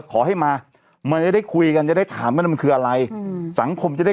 ขอให้มามันจะได้คุยกันจะได้ถามว่ามันคืออะไรอืมสังคมจะได้